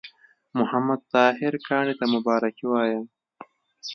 محمد طاهر کاڼي ته مبارکي وایم.